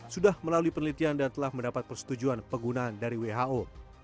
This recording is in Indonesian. sudah melalui penelitian dan telah mendapat persetujuan penggunaan dari who